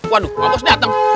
waduh bos dateng